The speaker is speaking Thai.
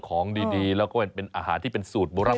ของดีและอาหารที่เป็นสูตรโบราบ